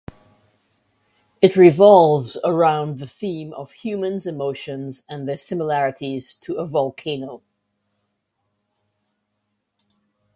It revolves around the theme of humans emotions and their similarities to a volcano.